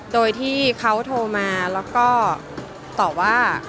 โดยที่เขาโทรมาแล้วก็ตอบว่า